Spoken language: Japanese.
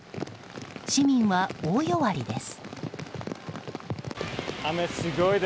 市民は大弱りです。